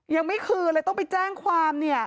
ยังไม่คืนเลยต้องไปแจ้งความเนี่ย